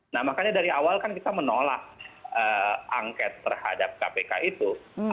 nah makanya dari awal kan kita menolak angket terhadap kpk itu